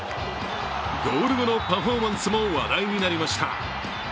ゴール後のパフォーマンスも話題になりました。